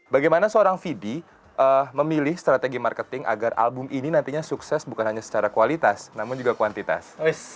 bagaimana seorang fidi memilih strategi marketing agar album ini nantinya sukses bukan hanya secara kualitas namun juga kuantitas